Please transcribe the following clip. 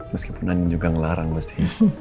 meskipun ada juga ngelarang pasti